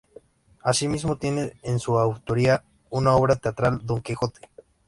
Asimismo, tiene en su autoría una obra teatral, "Don Quijote".